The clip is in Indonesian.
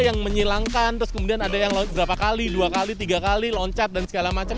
yang menyilangkan terus kemudian ada yang berapa kali dua kali tiga kali loncat dan segala macam